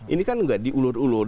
ini kan nggak diulur ulur